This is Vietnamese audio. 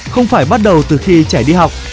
không phải bắt đầu từ khi trẻ đi học